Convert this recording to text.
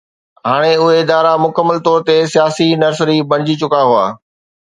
هاڻي اهي ادارا مڪمل طور تي سياسي نرسري بڻجي چڪا هئا.